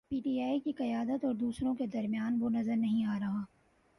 P T I کی قیادت اور دوسروں کے درمیان وہ نظر نہیں آ رہا۔